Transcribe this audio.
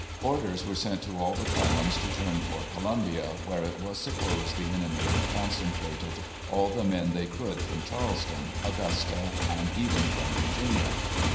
Orders were sent to all the columns to turn for Columbia, where it was supposed the enemy had concentrated all the men they could from Charleston, Augusta, and even from Virginia.